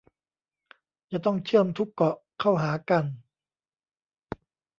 จะต้องเชื่อมทุกเกาะเข้าหากัน